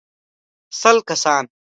سل کسان.